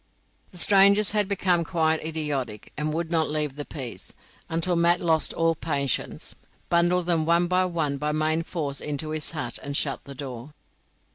The strangers had become quite idiotic, and wou'd not leave the peas, until Mat lost all patience, bundled them one by one by main force into his hut, and shut the door.